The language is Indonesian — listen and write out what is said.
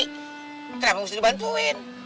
kenapa musti dibantuin